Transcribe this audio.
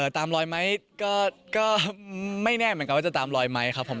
ตามรอยไหมก็ไม่แน่เหมือนกันว่าจะตามรอยไหมครับผม